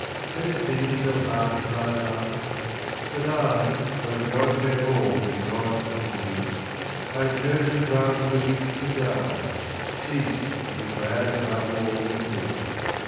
Had it been so hard for my love? but I, Though the gods gave all that a god can give, I had chosen rather the gift to die, Cease, and be glad above all that live.